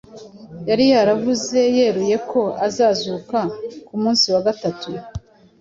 Yari yaravuze yeruye ko azazuka ku munsi wa gatatu